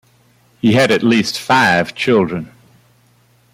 He had at least five children.